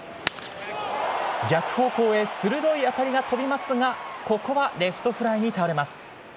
逆方向へ鋭い当たりが飛びますがここはレフトフライに倒れます。